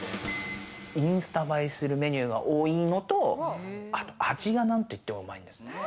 インスタ映えするメニューが多いのと、味が何といってもうまいんですね。